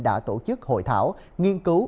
đã tổ chức hội thảo nghiên cứu